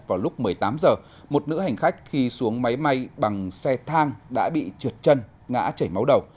vào lúc một mươi tám h một nữ hành khách khi xuống máy bay bằng xe thang đã bị trượt chân ngã chảy máu đầu